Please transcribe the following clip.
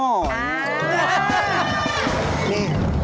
นี่